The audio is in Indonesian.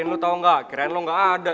keren lu tau gak keren lu gak ada